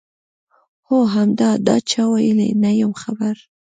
هو همدا، دا چا ویلي؟ نه یم خبر.